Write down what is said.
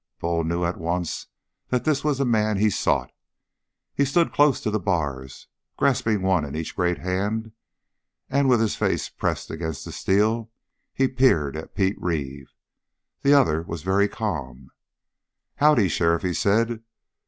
Bull knew at once that this was the man he sought. He stood close to the bars, grasping one in each great hand, and with his face pressed against the steel, he peered at Pete Reeve. The other was very calm. "Howdy, sheriff," he said.